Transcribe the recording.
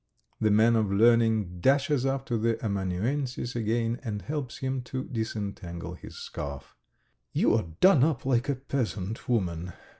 The man of learning dashes up to the amanuensis again and helps him to disentangle his scarf. "You are done up like a peasant woman